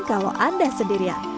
kalau anda sendirian